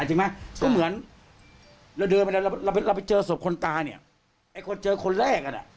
จริงไหมก็เหมือนเราเดินไปแล้วเราไปเจอศพคนตายเนี่ยไอ้คนเจอคนแรกอ่ะน่ะ